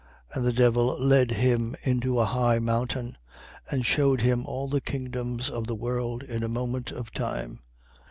4:5. And the devil led him into a high mountain and shewed him all the kingdoms of the world in a moment of time.